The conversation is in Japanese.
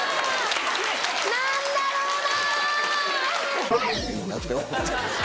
何だろうな！